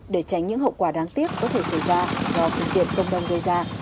để tránh những hậu quả đáng tiếc có thể xảy ra do sự kiện công đông gây ra